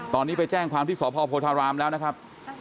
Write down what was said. ตอนนี้ไปแจ้งความที่สพโพธารามแล้วนะครับ